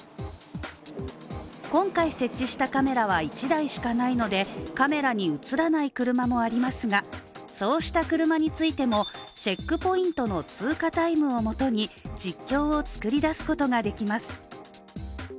今回設置したカメラは１台しかないのでカメラに映らない車もありますがそうした車についてもチェックポイントの通過タイムをもとに実況を作り出すことができます。